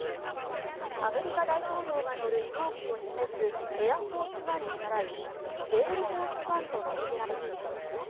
アメリカ大統領が乗る飛行機を示すエアフォース・ワンに倣いレールフォースワンと名付けられています。